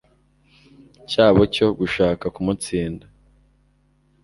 cyabo cyo gushaka kumutsinda